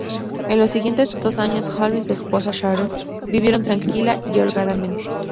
En los siguientes dos años, Holmes y su esposa, Sharon, vivieron tranquila y holgadamente.